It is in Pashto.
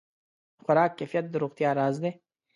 د خوراک کیفیت د روغتیا راز دی.